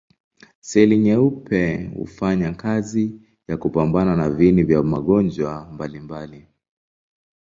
Seli nyeupe hufanya kazi ya kupambana na viini vya magonjwa mbalimbali.